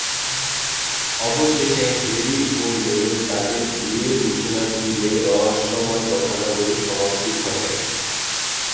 অবশেষে হ্যারি ও নেল তাদের বিয়ের ঘোষণা দিলে রহস্যময় ঘটনাগুলোর সমাপ্তি ঘটে।